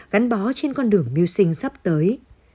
gắn bó trên con đường mưu sinh sắp tới